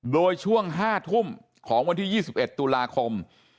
โดยช่วง๕ทุ่มของวันที่๒๑ตุลาคม